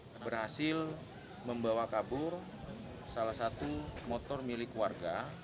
saya berhasil membawa kabur salah satu motor milik warga